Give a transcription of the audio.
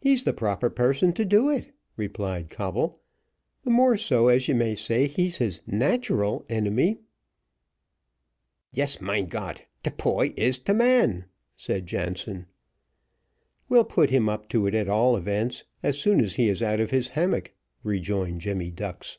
"He's the proper person to do it," replied Coble; "the more so, as you may say that he's his natural enemy." "Yes, mein Got, de poy is de man," said Jansen. "We'll put him up to it at all events, as soon as he is out of his hammock," rejoined Jemmy Ducks.